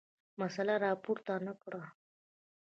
مسله راپورته نه کړه.